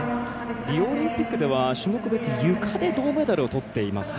リオオリンピックでは種目別ゆかで銅メダルを取っていますね